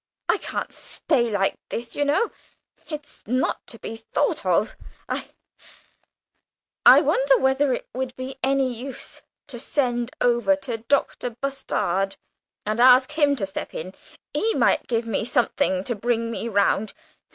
I can't stay like this, you know it's not to be thought of! I I wonder whether it would be any use to send over to Dr. Bustard and ask him to step in; he might give me something to bring me round.